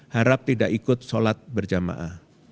harap tidak ikut sholat berjamaah